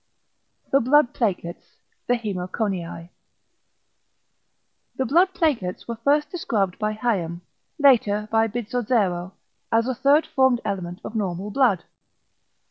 The blood platelets. The hæmoconiæ. The ~blood platelets~ were first described by Hayem, later by Bizzozero, as a third formed element of normal blood.